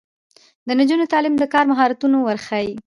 د نجونو تعلیم د کار مهارتونه ورښيي.